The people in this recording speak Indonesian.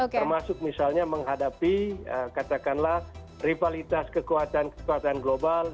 termasuk misalnya menghadapi katakanlah rivalitas kekuatan kekuatan global